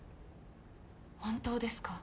本当ですか？